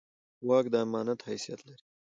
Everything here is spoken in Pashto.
واک د امانت حیثیت لري